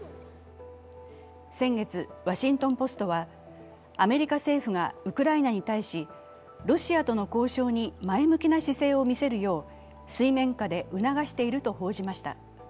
先月、「ワシントン・ポスト」はアメリカ政府がウクライナに対しロシアとの交渉に前向きな姿勢を見せるよう、水面下で促していると報じました。